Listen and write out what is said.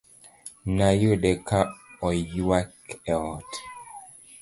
Nayude ka oywak e ot